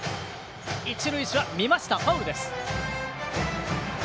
一塁手は見ました、ファウル。